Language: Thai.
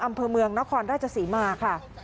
อำเภอเมืองนครราชศรีมาค่ะ